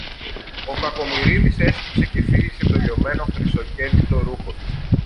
Ο Κακομοιρίδης έσκυψε και φίλησε το λιωμένο χρυσοκέντητο ρούχο του.